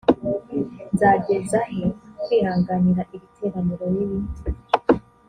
nzageza he kwihanganira iri teraniro ribi